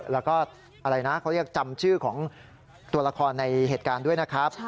แล้วก็อะไรนะเขาเรียกจำชื่อของตัวละครในเหตุการณ์ด้วยนะครับ